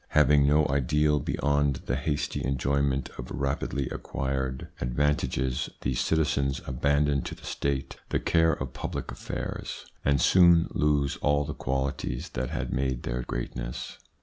Having no ideal beyond the hasty enjoyment of rapidly acquired 2i 4 THE PSYCHOLOGY OF PEOPLES: advantages, the citizens abandon to the State the care of public affairs, and soon lose all the qualities that had made their greatness.